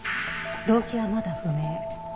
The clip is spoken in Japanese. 動機はまだ不明。